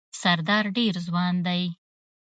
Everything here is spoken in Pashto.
سردار ډېر ځوان دی.